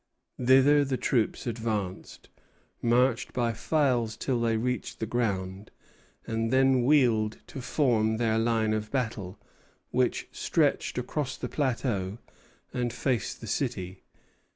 Thither the troops advanced, marched by files till they reached the ground, and then wheeled to form their line of battle, which stretched across the plateau and faced the city.